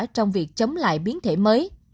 trong việc chống lại biến thể mới